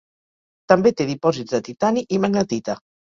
També té dipòsits de titani i magnetita.